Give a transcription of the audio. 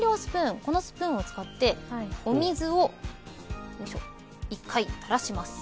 このスプーンを使って、お水を１回、たらします。